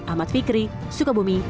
amat fikri sukabumi